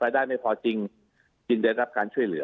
ได้ไม่พอจริงจึงได้รับการช่วยเหลือ